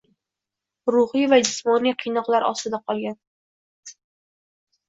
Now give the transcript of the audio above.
Ruhiy va jismoniy qiynoqlar ostida qolgan.